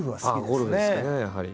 ああゴルフですねやはり。